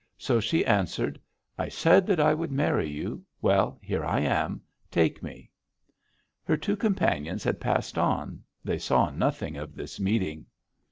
So she answered: 'I said that I would marry you. Well, here I am, take me!' "Her two companions had passed on; they saw nothing of this meeting.